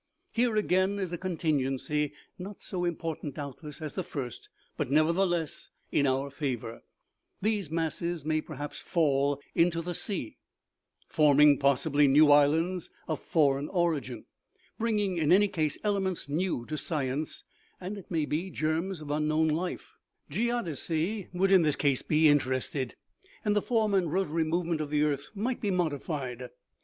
Here again is a contingency, not so important doubtless as the first, but, nevertheless, in our favor ; these masses may perhaps fall into the sea, forming possibly new islands of foreign origin, bringing in any case elements new to science, and, it may be, germs of unknown life ; Geodesy would in this case be interested, and the form and rotary move ment of the earth might be modified.